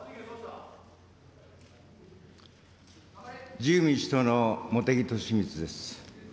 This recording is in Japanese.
自由民主党の茂木敏充です。